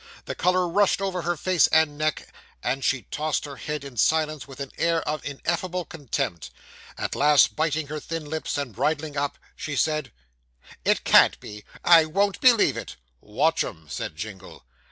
The colour rushed over her face and neck, and she tossed her head in silence with an air of ineffable contempt. At last, biting her thin lips, and bridling up, she said 'It can't be. I won't believe it.' 'Watch 'em,' said Jingle.